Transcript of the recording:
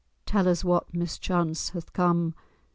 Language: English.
Tell us what mischance hath come."